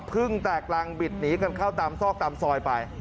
แตกรังบิดหนีกันเข้าตามซอกตามซอยไป